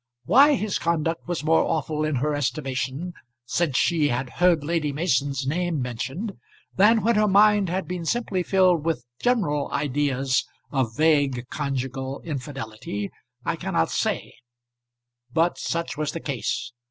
Why his conduct was more awful in her estimation since she had heard Lady Mason's name mentioned, than when her mind had been simply filled with general ideas of vague conjugal infidelity, I cannot say; but such was the case.